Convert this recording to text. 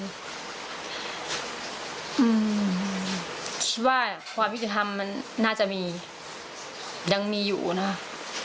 คิดว่าความยุติธรรมมันน่าจะมียังมีอยู่นะคะ